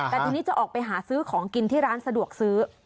แต่ทีนี้จะออกไปหาซื้อของกินที่ร้านสะดวกซื้อ